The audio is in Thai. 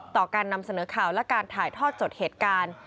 ต่อการนำเสนอข่าวและการถ่ายทอดจดเหตุการณ์